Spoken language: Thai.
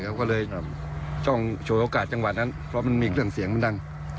เขาก็เลยช่องฉวยโอกาสจังหวะนั้นเพราะมันมีเครื่องเสียงมันดัง